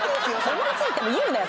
思いついても言うなよ